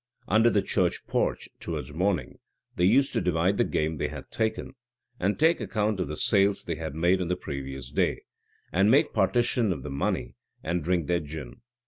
Under the church porch, towards morning, they used to divide the game they had taken, and take account of the sales they had made on the previous day, and make partition of the money, and drink their gin.